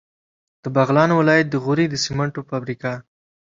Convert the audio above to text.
د بغلان ولایت د غوري سیمنټو فابریکه